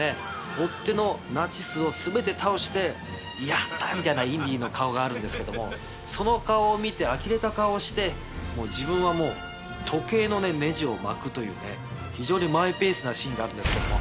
追っ手のナチスを全て倒してやった！みたいなインディの顔があるんですけどもその顔を見てあきれた顔をして自分はもう時計のねじを巻くというね非常にマイペースなシーンがあるんですけども。